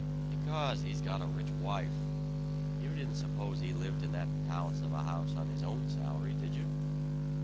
"Because, he's got a rich wife. You didn't suppose he lived in that palace of a house on his own salary, did you?"